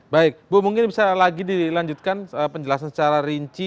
baik bu mungkin bisa lagi dilanjutkan penjelasan secara rinci